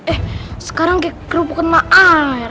eh sekarang kayak kerupuk sama air